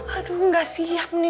aduh gak siap nih